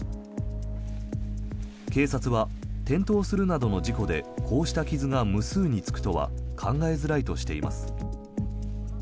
警察は転倒するなどの事故でこうした傷が無数につくとは考えづらいとしています。